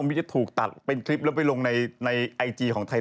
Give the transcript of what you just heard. ของพี่จะถูกตักเป็นคลิปแล้วไปลงในในไอจีของไทย